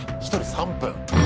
１人３分。